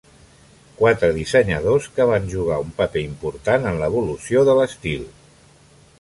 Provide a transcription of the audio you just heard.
Quatre dissenyadors que van jugar un paper important en l'evolució de l'estil.